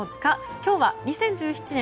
今日は２０１７年